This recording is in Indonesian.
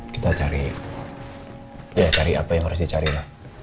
kita cari ya cari apa yang harus dicari lah